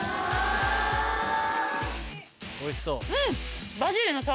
おいしそう。